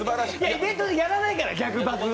イベントでやらないから逆バズ。